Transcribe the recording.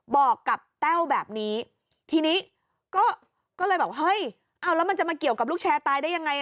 บอกกับแต้วแบบนี้ทีนี้ก็เลยแบบเฮ้ยเอาแล้วมันจะมาเกี่ยวกับลูกแชร์ตายได้ยังไง